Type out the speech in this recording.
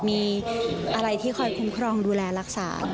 มีอะไรที่คอยคุ้มครองดูแลรักษา